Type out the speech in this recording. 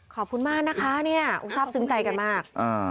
ขอบคุณมากนะคะเนี่ยทราบซึ้งใจกันมาก